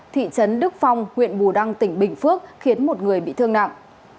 thị trấn đức phong huyện bù đăng tỉnh bình phước khiến một người bị thương nặng